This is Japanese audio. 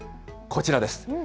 こちらです。